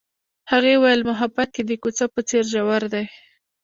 هغې وویل محبت یې د کوڅه په څېر ژور دی.